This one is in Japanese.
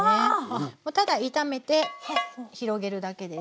ただ炒めて広げるだけです。